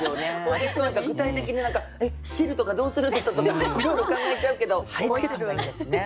私なんか具体的に「えっ汁とかどうするの」とかいろいろ考えちゃうけど貼り付けた方がいいんですね。